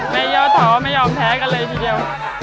ย่อท้อไม่ยอมแพ้กันเลยทีเดียว